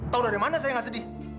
tau dari mana saya gak sedih